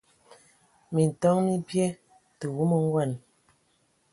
Minton mi bie, tə wumu ngɔn.